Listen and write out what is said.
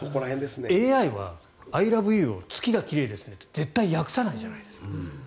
ＡＩはアイ・ラブ・ユーを月が奇麗ですねって絶対訳さないじゃないですか。